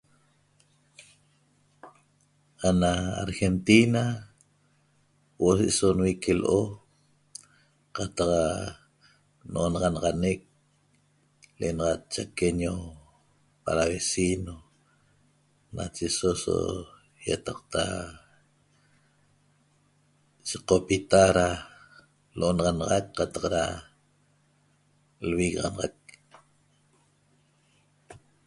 ana argentina huoo so nvique lo cataq noxanaxaneq lenaxat chaqueño palavecino nache so so iataqta socopita da dexanaxat caataq lvixanaxanaxat